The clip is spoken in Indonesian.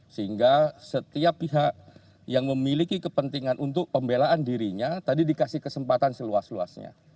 sehingga setiap pihak yang memiliki kepentingan untuk pembelaan dirinya tadi dikasih kesempatan seluas luasnya